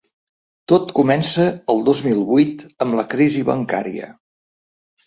Tot comença el dos mil vuit amb la crisi bancària.